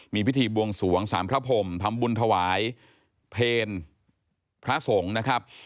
มีพิธีบวงสวงสารพระพรมทำบุญถวายเพลพระสงฆ์นะครับ